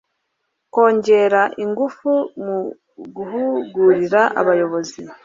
kongera ingufu mu guhugurira abayobozi